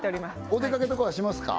おでかけとかはしますか？